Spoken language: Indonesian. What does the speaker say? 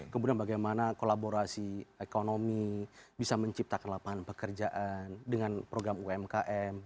kemudian bagaimana kolaborasi ekonomi bisa menciptakan lapangan pekerjaan dengan program umkm